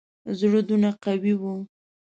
زړه دونه قوي وو.